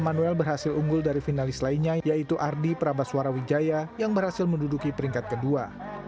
emanuel berhasil unggul dari finalis lainnya yaitu ardi prabaswarawijaya yang berhasil menduduki peringkat kedua